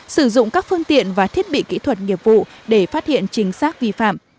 sử dụng các phương tiện và thiết bị kỹ thuật nghiệp vụ để phát hiện chính xác vi phạm